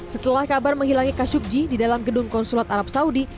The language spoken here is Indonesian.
setelah kabar menghilangi khashoggi di dalam gedung konsulat arab saudi